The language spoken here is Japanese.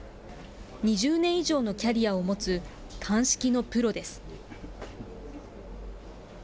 ２０年以上のキャリアを持つ、鑑識のプロです。